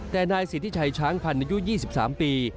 แต่นายศิษฐิชัยช้างพันธุ์ในยุค๒๓ปี